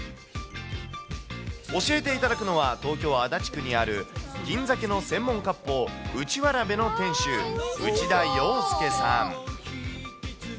教えていただくのは、東京・足立区にある銀鮭の専門かっぽう、ウチワラベの店主、内田洋介さん。